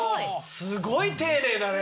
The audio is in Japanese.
すごい丁寧だね。